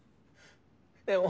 でも。